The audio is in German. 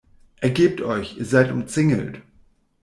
Ergebt euch, ihr seid umzingelt!